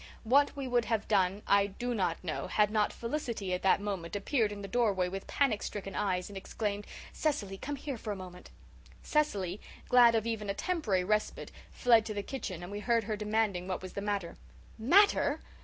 What we would have done I do not know had not Felicity at that moment appeared in the doorway with panic stricken eyes and exclaimed, "Cecily, come here for a moment." Cecily, glad of even a temporary respite, fled to the kitchen and we heard her demanding what was the matter. "Matter!"